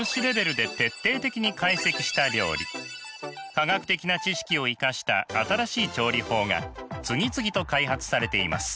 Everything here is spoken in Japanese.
科学的な知識を生かした新しい調理法が次々と開発されています。